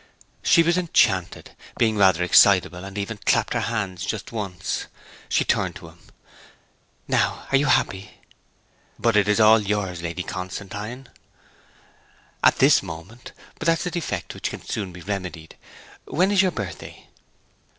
She was enchanted; being rather excitable she even clapped her hands just once. She turned to him: 'Now are you happy?' 'But it is all yours, Lady Constantine.' 'At this moment. But that's a defect which can soon be remedied. When is your birthday?'